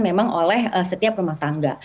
memang oleh setiap rumah tangga